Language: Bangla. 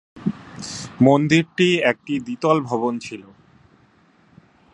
মন্দিরটি একটি দ্বিতল ভবন ছিল।